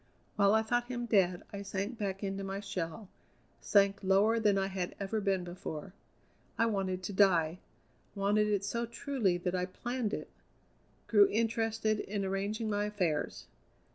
"While I thought him dead I sank back into my shell, sank lower than I had ever been before. I wanted to die; wanted it so truly that I planned it; grew interested in arranging my affairs.